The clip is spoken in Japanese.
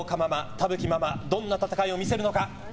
田吹ママどんな戦いを見せるのか。